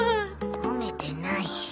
褒めてない。